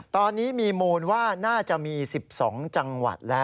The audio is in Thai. ตอนนี้มีมูลว่าน่าจะมี๑๒จังหวัดแล้ว